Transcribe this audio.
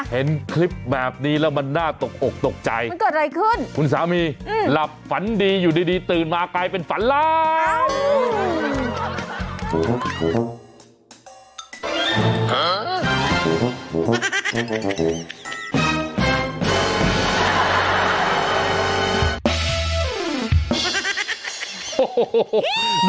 เห็นคลิปแบบนี้แล้วมันน่าตกอกตกใจมันเกิดอะไรขึ้นคุณสามีหลับฝันดีอยู่ดีตื่นมากลายเป็นฝันแล้ว